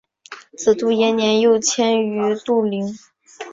子杜延年又迁于杜陵。